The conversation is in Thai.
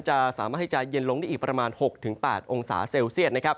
จะสามารถให้จะเย็นลงได้อีกประมาณ๖๘องศาเซลเซียตนะครับ